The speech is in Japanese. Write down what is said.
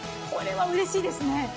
これはうれしいですね。